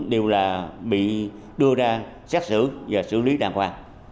đều là bị đưa ra xét xử và xử lý đàng hoàng